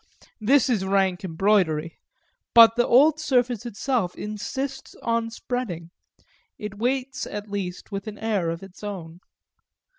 This is rank embroidery, but the old surface itself insists on spreading it waits at least with an air of its own.